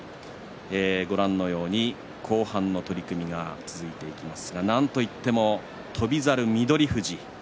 後半の取組が続いていきますがなんといっても翔猿、翠富士。